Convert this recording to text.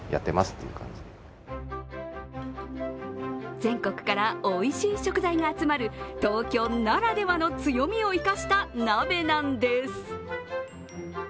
全国からおいしい食材が集まる東京ならではの強みを生かした鍋なんです。